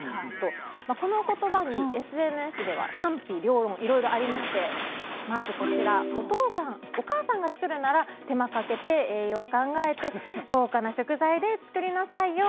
この言葉にＳＮＳでは賛否両論、いろいろありましてまず、お母さんが作るなら手間かけて栄養考えて豪華な食材で作りなさいよ